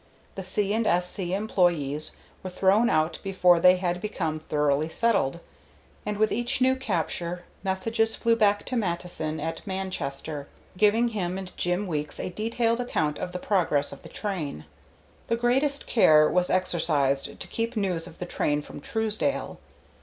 The C. & S.C. employees were thrown out before they had become thoroughly settled, and with each new capture messages flew back to Mattison at Manchester, giving him and Jim Weeks a detailed account of the progress of the train. The greatest care was exercised to keep news of the train from Truesdale.